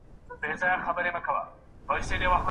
مدیتیشن د ذهن لپاره اړین دی.